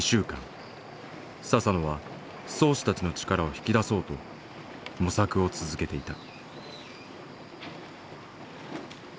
佐々野は漕手たちの力を引き出そうと模索を続けていた。